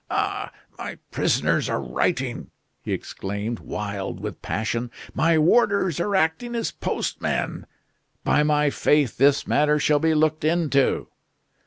"Ah! my prisoners are writing!" he exclaimed, wild with passion. "My warders are acting as postmen! By my faith, this matter shall be looked into."